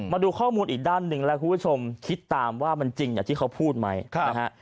มาดูข้อมูลอีกด้านหนึ่งแล้วคุณผู้ชมคิดตามว่ามันจริงอย่างที่เขาพูดไหมนะฮะ